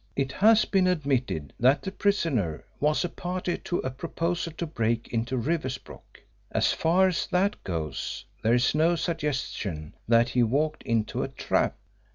"It has been admitted that the prisoner was a party to a proposal to break into Riversbrook. As far as that goes, there is no suggestion that he walked into a trap.